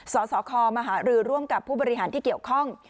สสคมหารือร่วมกับผู้บริหารที่เกี่ยวข้อง